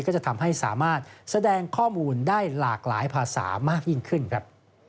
ก็จะทำให้สามารถแสดงข้อมูลได้หลากหลายภาษามากยิ่งขึ้นครับ